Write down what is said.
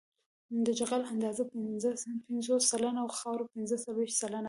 د جغل اندازه پنځه پنځوس سلنه او خاوره پنځه څلویښت سلنه ده